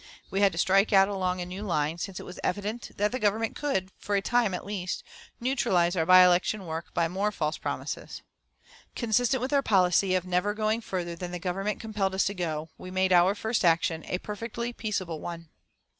We had to strike out along a new line, since it was evident that the Government could, for a time at least, neutralise our by election work by more false promises. Consistent with our policy, of never going further than the Government compelled us to go, we made our first action a perfectly peaceable one.